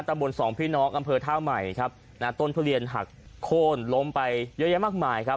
บนสองพี่น้องอำเภอท่าใหม่ครับนะต้นทุเรียนหักโค้นล้มไปเยอะแยะมากมายครับ